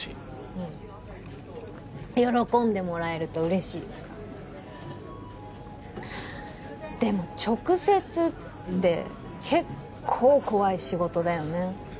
うん喜んでもらえると嬉しいでも直接って結構怖い仕事だよね